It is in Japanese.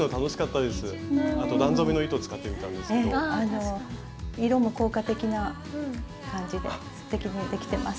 あの色も効果的な感じですてきにできてます。